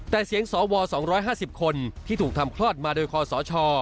แต่เสียงสว๒๕๐คนที่ถูกทำคลอดมาโดยคอสช